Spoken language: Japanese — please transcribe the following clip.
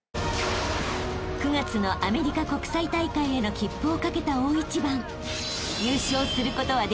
［９月のアメリカ国際大会への切符をかけた大一番］